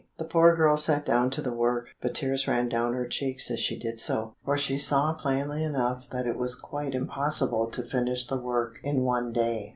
The poor girl sat down to the work, but tears ran down her cheeks as she did so, for she saw plainly enough that it was quite impossible to finish the work in one day.